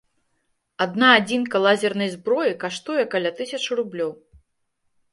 Адна адзінка лазернай зброі каштуе каля тысячы рублёў.